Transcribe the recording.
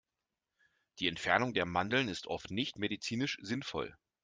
Die Entfernung der Mandeln ist oft nicht medizinisch sinnvoll.